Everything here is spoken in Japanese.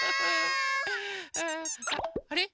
あれ？